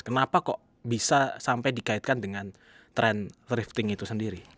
kenapa kok bisa sampai dikaitkan dengan tren rifting itu sendiri